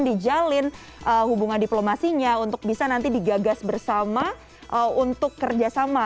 dijalin hubungan diplomasinya untuk bisa nanti digagas bersama untuk kerjasama